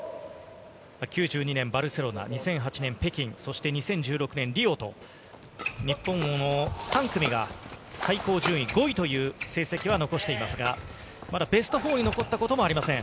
９２年バルセロナ、２００８年北京、そして２０１６年リオと、日本の３組が、最高順位５位という成績は残していますが、まだベスト４に残ったこともありません。